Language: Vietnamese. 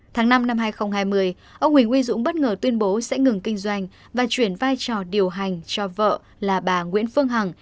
tháng năm năm hai nghìn hai mươi ông huỳnh uy dũng bất ngờ tuyên bố sẽ ngừng kinh doanh và chuyển vai trò điều hành cho vợ là bà nguyễn phương hằng